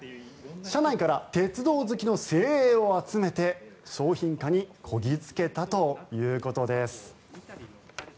社内から鉄道好きの精鋭を集めて商品化にこぎ着けたということです。